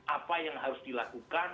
apa yang harus dilakukan